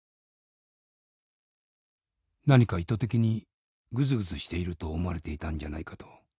「何か意図的にぐずぐずしていると思われていたんじゃないかと。